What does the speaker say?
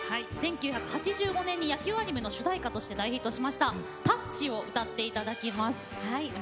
１９８５年に野球アニメの主題歌として大ヒットしました「タッチ」を歌っていただきます。